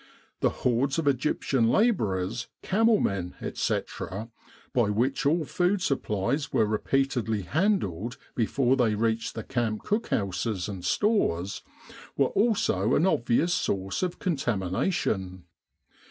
The hordes of Egyptian labourers, camel men, etc., by which all food supplies were repeatedly handled before they reached the camp cookhouses and stores, were also an obvious source of contamination.